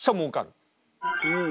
うん。